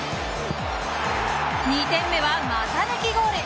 ２点目は股抜きゴール。